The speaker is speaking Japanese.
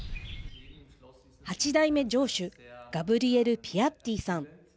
８代目城主ガブリエル・ピアッティさん。